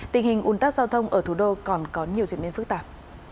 tình hình ủn tắc giao thông ở thủ đô còn có nhiều diễn biến phức tạp